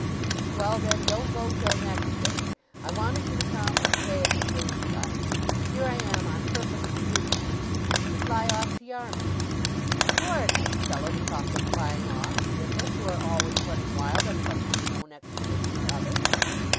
'Well, then, don't go till next day. I wanted you to come and stay a few days with us. Here I am, on purpose to bid you, and you fly off to Yarmouth!' 'You are a nice fellow to talk of flying off, Steerforth, who are always running wild on some unknown expedition or other!